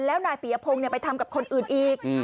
แล้วนายปียพงศ์ไปทำกับคนอื่นอีก